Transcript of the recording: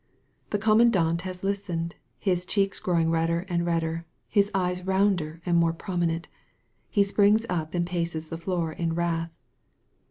The commandant has listened, his cheeks grow ing redder and redder, his eyes rounder and more prominent. He springs up and paces the floor in wrath.